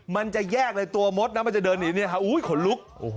มันจะแยกเลยตัวมดมันจะเดินอีกโอ้โหขนลุก